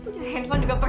pernah handphone juga